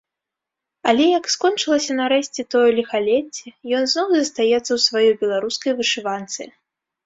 Але як скончылася нарэшце тое ліхалецце, ён зноў застаецца ў сваёй беларускай вышыванцы.